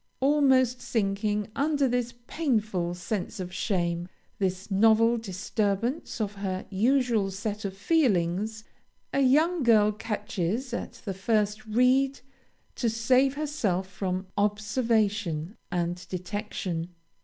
"Almost sinking under this painful sense of shame, this novel disturbance of her usual set of feelings, a young girl catches at the first reed to save herself from observation and detection.